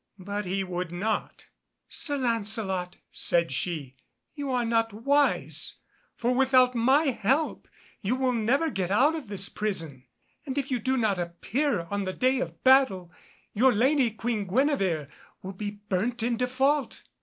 But he would not. "Sir Lancelot," said she, "you are not wise, for without my help you will never get out of this prison, and if you do not appear on the day of battle, your lady, Queen Guenevere, will be burnt in default."